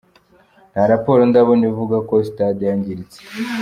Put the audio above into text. Nta raporo ndabona ivuga ko sitade yangiritse.